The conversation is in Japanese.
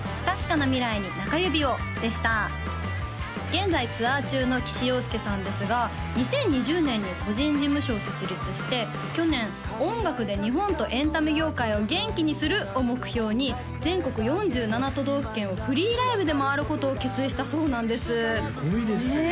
現在ツアー中の岸洋佑さんですが２０２０年に個人事務所を設立して去年「音楽で日本とエンタメ業界を元気にする」を目標に全国４７都道府県をフリーライブで回ることを決意したそうなんですすごいですよ